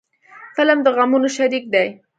فلم د غمونو شریک دی